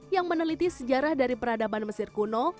yang meneliti sejarah dari peradaban mesir kuno